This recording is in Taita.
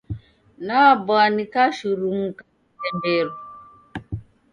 Nabwa nikashurumuka kitemberu.